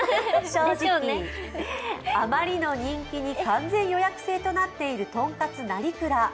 正直、あまりの人気に完全予約制となっているとんかつ成蔵。